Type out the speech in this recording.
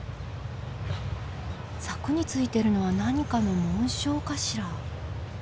柵に付いてるのは何かの紋章かしら。